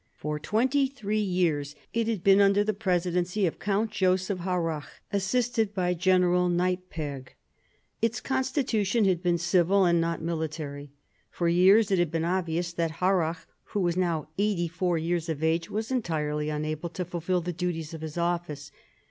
For twenty three years it had been under the presidency of Count Joseph Harrach, assisted by General Neiperg. Its constitution had been civil and not military. For years it had been obvious that Harrach, who was now eighty four years of age, was entirely unable to fulfil the duties of his office.